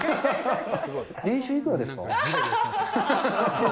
年収いくらですか？